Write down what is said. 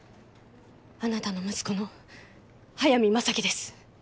あなたの息子の速水政樹です。